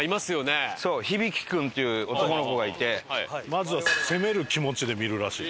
まずは攻める気持ちで見るらしい。